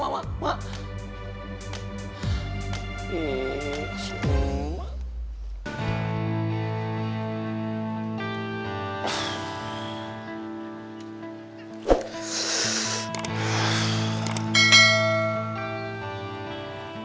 mak mak mak mak